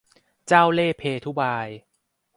เจ้าเล่ห์เพทุบาย